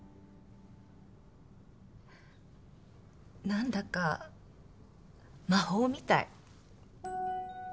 何だか魔法みたい。